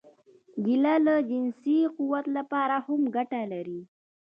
کېله د جنسي قوت لپاره هم ګټه لري.